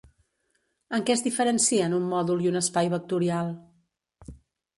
En què es diferencien un mòdul i un espai vectorial?